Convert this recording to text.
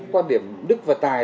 quan điểm đức và tài